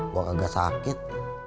gue enggak sakit